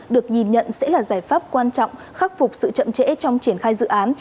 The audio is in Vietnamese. được nhìn nhận sẽ là giải pháp quan trọng khắc phục sự chậm trễ trong triển khai dự án